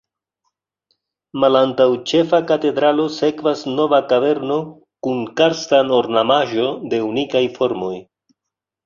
Malantaŭ Ĉefa katedralo sekvas Nova kaverno kun karsta ornamaĵo de unikaj formoj.